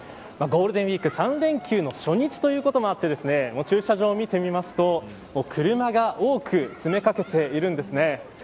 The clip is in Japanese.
ゴールデンウイーク３連休の初日ということもあって駐車場を見てみると車が多く詰めかけているんですね。